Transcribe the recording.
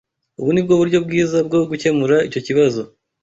Ubu ni bwo buryo bwiza bwo gukemura icyo kibazo.